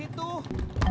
di situ ya